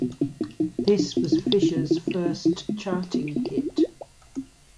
This was Fisher's first charting hit.